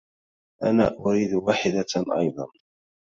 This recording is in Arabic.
أنا أريد واحدة، أيضا.